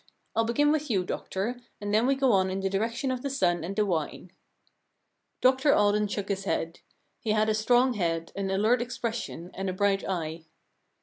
Til begin with you, doctor, and then go on in the direction of the sun and the wine.' Dr Alden shook his head. He had a strong head, an alert expression, and a bright eye.